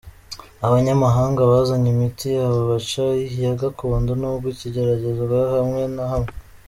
Abanyamahanga bazanye imiti yabo, baca iya gakondo nubwo ikigeragezwa hamwe na hamwe.